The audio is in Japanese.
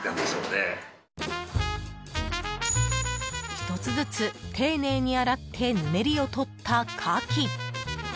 １つずつ丁寧に洗ってぬめりをとったカキ。